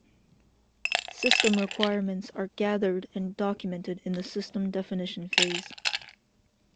System requirements are gathered and documented in the system definition phase.